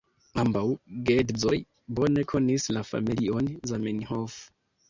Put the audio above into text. Ambaŭ geedzoj bone konis la familion Zamenhof.